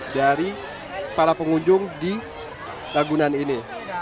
dari para pengunjung di ragunan ini